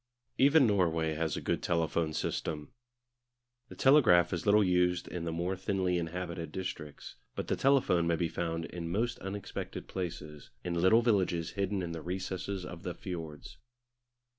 Even Norway has a good telephone system. The telegraph is little used in the more thinly inhabited districts, but the telephone may be found in most unexpected places, in little villages hidden in the recesses of the fiords.